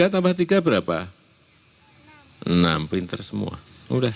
tiga tambah tiga berapa